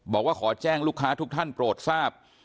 บอกว่าขอแจ้งลูกค้าทุกท่านโปรดทราบ